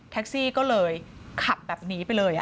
ซี่ก็เลยขับแบบนี้ไปเลย